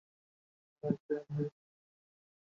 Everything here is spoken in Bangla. আমি ভেবেছিলাম, তুমি সব ভুলে গেছো।